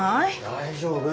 大丈夫。